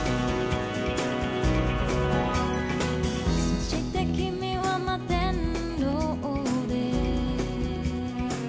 「そして君は摩天楼で」